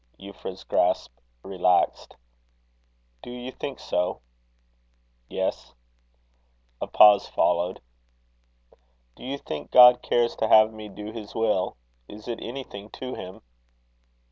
Euphra's grasp relaxed. "Do you think so?" "Yes." A pause followed. "Do you think God cares to have me do his will? Is it anything to him?"